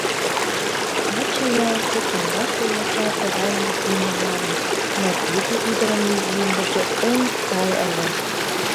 Таче ялысе кандашле йоча тыгай мӱгиндым налын, но тиде ӱдырын мӱгиндыже эн сай ыле.